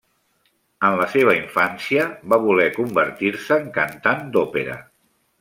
En la seva infància, va voler convertir-se en cantant d'òpera.